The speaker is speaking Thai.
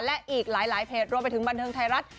และอีกหลายเพจรวมไปถึงบันเทิงไทยรัฐ